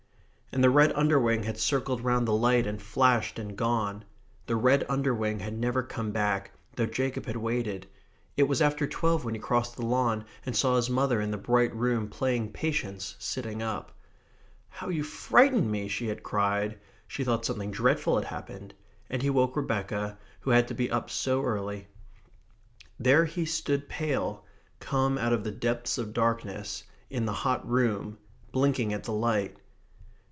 And the red underwing had circled round the light and flashed and gone. The red underwing had never come back, though Jacob had waited. It was after twelve when he crossed the lawn and saw his mother in the bright room, playing patience, sitting up. "How you frightened me!" she had cried. She thought something dreadful had happened. And he woke Rebecca, who had to be up so early. There he stood pale, come out of the depths of darkness, in the hot room, blinking at the light.